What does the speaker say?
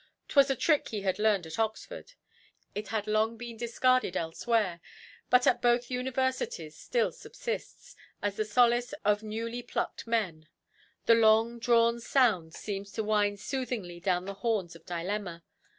'Twas a trick he had learned at Oxford; it has long been discarded elsewhere, but at both Universities still subsists, as the solace of newly–plucked men; the long–drawn sound seems to wind so soothingly down the horns of dilemma.